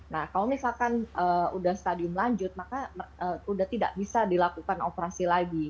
nah kalau misalkan sudah stadium lanjut maka udah tidak bisa dilakukan operasi lagi